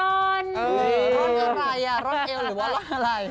เออร่อนอะไรร่อนเอลหรือว่าร่อนอะไร